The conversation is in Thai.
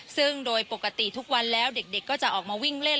ซึ่งโดยปกติทุกวันแล้วเด็กก็จะออกมาวิ่งเล่น